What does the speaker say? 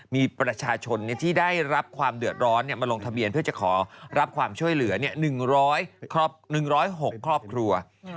มีประชาชนที่ได้รับความเดือดร้อนมาลงทะเบียนเพื่อจะขอรับความช่วยเหลือ๑๐๖ครอบครัว